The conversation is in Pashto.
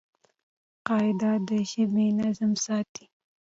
قاعده د ژبي نظم ساتي.